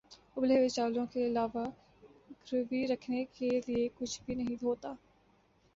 اُبلے ہوئے چاولوں کے علاوہ گروی رکھنے کے لیے کچھ بھی نہیں ہوتا